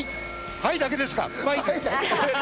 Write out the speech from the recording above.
「はい」だけですか！